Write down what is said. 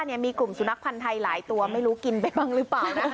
มีกลุ่มสุนัขพันธ์ไทยหลายตัวไม่รู้กินไปบ้างหรือเปล่านะ